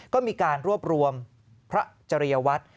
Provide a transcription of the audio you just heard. ก็มีการรวบรวมพระจริยวัตร